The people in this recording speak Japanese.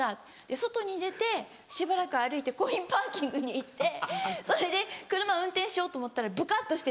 外に出てしばらく歩いてコインパーキングに行ってそれで車運転しようと思ったらブカっとしてて。